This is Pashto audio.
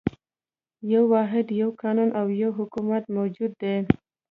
يو هېواد، یو قانون او یو حکومت موجود دی.